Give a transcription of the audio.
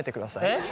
えっ？